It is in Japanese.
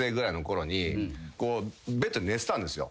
ベッドで寝てたんですよ